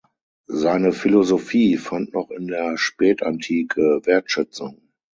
Seine Philosophie fand noch in der Spätantike Wertschätzung.